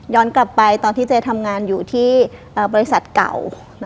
กลับไปตอนที่เจ๊ทำงานอยู่ที่บริษัทเก่า